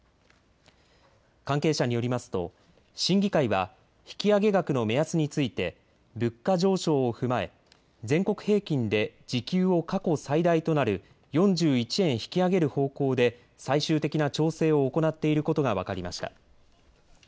関係者によりますと審議会は引き上げ額の目安について物価上昇を踏まえ全国平均で時給を過去最大となる４１円引き上げる方向で最終的な調整を行っていることが分かりました。